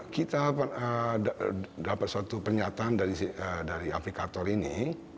kita dapat suatu pernyataan dari aplikator ini